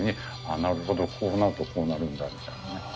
なるほどこうなるとこうなるんだみたいなね。